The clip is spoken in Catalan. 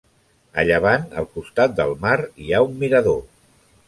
A llevant al costat del mar, hi ha un mirador.